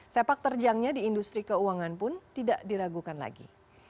sepak terjangnya di industri keuangan pun tidak diragukan lagi